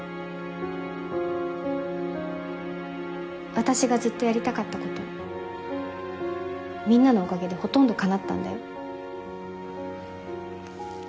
私がずっとやりたかったことみんなのおかげでほとんど叶ったんだよ。